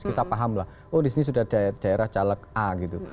kita pahamlah oh di sini sudah ada daerah caleg a gitu